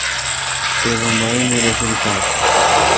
تے بمبئ می راݭل ݭات۔